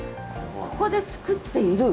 ここで作っている？